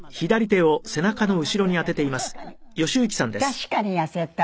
確かに痩せた。